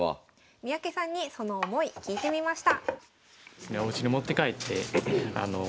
三宅さんにその思い聞いてみました。